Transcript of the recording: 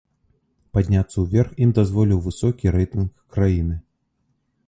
Падняцца ўверх ім дазволіў высокі рэйтынг краіны.